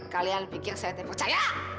kalian pikir saya tak percaya